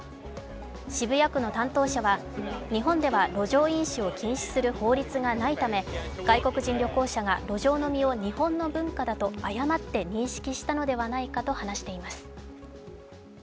渋谷区の担当者は、日本では路上飲酒を禁止する法律がないため外国人旅行者が、路上飲みを日本の文化だと誤って認識したのではないかと話しています。